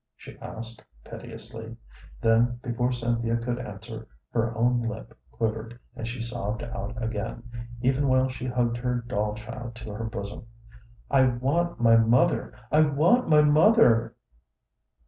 she asked, piteously; then, before Cynthia could answer, her own lip quivered and she sobbed out again, even while she hugged her doll child to her bosom, "I want my mother! I want my mother!"